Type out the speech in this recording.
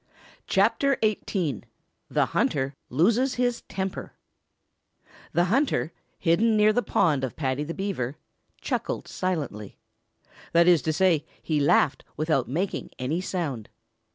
CHAPTER XVIII THE HUNTER LOSES HIS TEMPER The hunter, hidden near the pond of Paddy the Beaver, chuckled silently. That is to say, he laughed without making any sound.